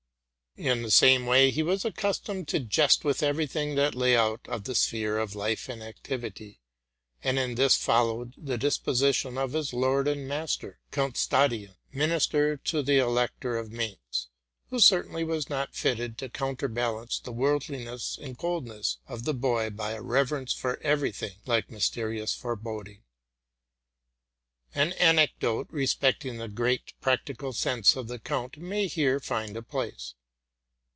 In the same way he was accustomed to jest with every thing that lay out of the sphere of life and activity, and in this followed the disposition of his lord and master, Count Stadion, minister to the Elector of Mayence, who certainly was not fitted to coun terbalance the worldliness and coldness of the boy by a rey erence for every thing like mysterious foreboding. An anecdote respecting the great practical sense of the count may here find a place.